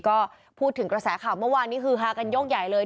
ก็พูดถึงกระแสข่าวเมื่อวานนี้คือฮากันยกใหญ่เลย